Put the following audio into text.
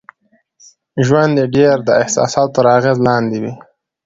ژوند يې ډېر د احساساتو تر اغېز لاندې وي.